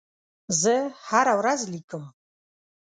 زه هره ورځ لیکم.